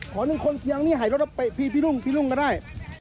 ขอหนึ่งคนอย่างนี้หายแล้วพี่รุ่งก็ได้